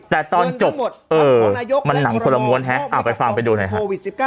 แต่ตอนจบเออมันนังคอรมอล์แท็กไปฟังไปดูหน่อยครับ